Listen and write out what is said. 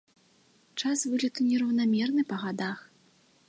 Час вылету нераўнамерны па гадах.